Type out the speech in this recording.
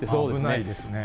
危ないですね。